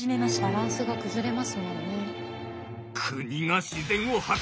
バランスが崩れますもんね。